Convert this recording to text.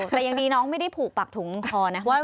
แต่ยังดีน้องไม่ได้ผูกปากถุงคอนะว่า